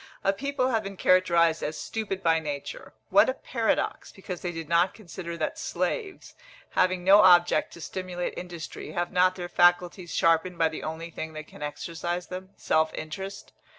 A people have been characterised as stupid by nature; what a paradox! because they did not consider that slaves, having no object to stimulate industry, have not their faculties sharpened by the only thing that can exercise them, self interest.